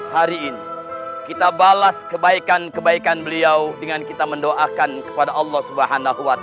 hari ini kita balas kebaikan kebaikan beliau dengan kita mendoakan kepada allah swt